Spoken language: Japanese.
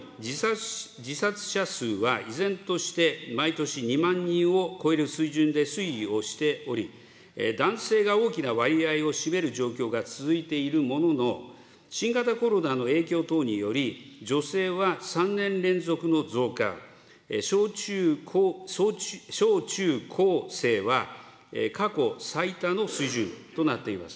わが国の自殺者数は依然として毎年２万人を超える水準で推移をしており、男性が大きな割合を占める状況が続いているものの、新型コロナの影響等により、女性は３年連続の増加、小中高生は過去最多の水準となっています。